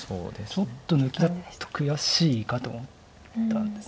ちょっと抜きだと悔しいかと思ったんです。